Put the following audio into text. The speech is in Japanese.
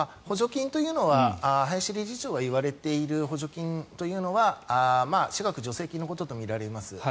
林理事長が言われている補助金というのは私学助成金のこととみられます。